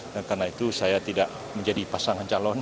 dan karena itu saya tidak menjadi pasangan calon